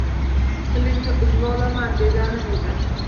Tilingni uzvolaman deganim edi